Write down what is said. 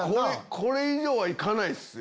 これ以上は行かないっすよ。